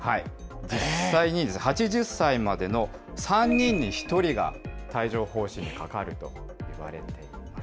実際に８０歳までの３人に１人が、帯状ほう疹にかかるといわれています。